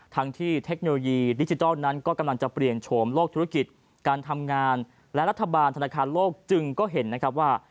ทั้งที่เทคโนโลยีดิจิทัลนั้นก็กำลังจะเปลี่ยนโฉมโลกธุรกิจการทำงานและรัฐบาลธนาคารโลกจึงก็เห็นนะครับว่า